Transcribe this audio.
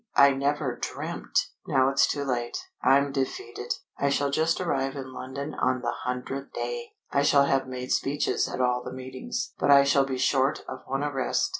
I never dreamt! Now it's too late. I am defeated! I shall just arrive in London on the hundredth day. I shall have made speeches at all the meetings. But I shall be short of one arrest.